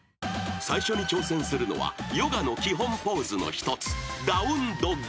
［最初に挑戦するのはヨガの基本ポーズの１つダウンドッグ］